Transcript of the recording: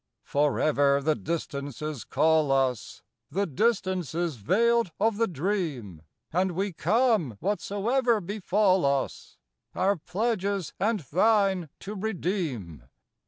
Forever the Distances call us— The Distances veiled of the Dream; And we come, whatsoever befall us, Our pledges and thine to redeem.